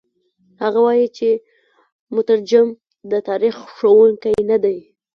هغه وايي چې مترجم د تاریخ ښوونکی نه دی.